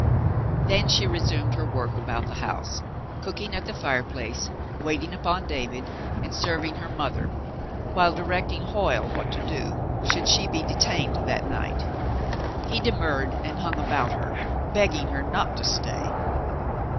Then she resumed her work about the house, cooking at the fireplace, waiting upon David, and serving her mother, while directing Hoyle what to do, should she be detained that night. He demurred and hung about her, begging her not to stay.